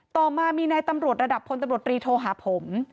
ต่อมามีนายตำรวจระดับพลตำรวจรีโทรหาผม